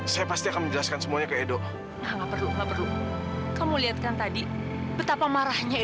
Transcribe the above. sampai jumpa di video selanjutnya